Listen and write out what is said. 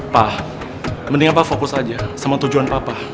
pa mendingan pa fokus aja sama tujuan papa